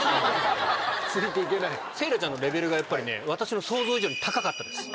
せいらちゃんのレベルがやっぱり私の想像以上に高かったです。